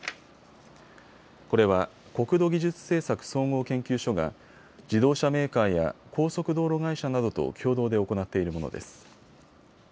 これは国土技術政策総合研究所が自動車メーカーや高速道路会社などと共同で行っているものです。